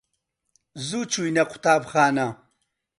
زوو چووینە قوتابخانە.